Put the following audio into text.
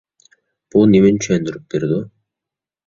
بۇ نېمىنى چۈشەندۈرۈپ بېرىدۇ؟